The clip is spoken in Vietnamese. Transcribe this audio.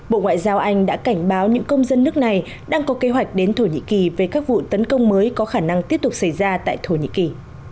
bộ ngoại giao anh đã cảnh báo những công dân nước này đang có kế hoạch đến thổ nhĩ kỳ về các vụ tấn công mới có khả năng tiếp tục xảy ra tại thổ nhĩ kỳ